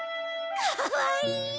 かわいい！